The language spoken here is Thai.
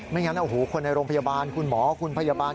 ไม่งั้นคนในโรงพยาบาลคุณหมอคุณพยาบาล